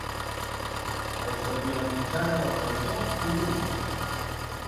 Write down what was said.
Els de Vilamitjana del Cantó, collonuts.